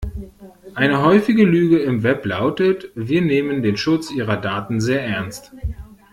Eine häufige Lüge im Web lautet: Wir nehmen den Schutz Ihrer Daten sehr ernst.